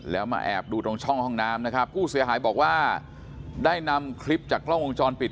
แล้วมาแอบดูตรงช่องห้องน้ำนะครับผู้เสียหายบอกว่าได้นำคลิปจากกล้องวงจรปิด